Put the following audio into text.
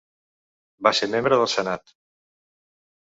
Va ser membre del senat.